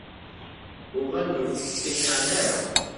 Uɣalen ur tt-ttqiniɛen ara .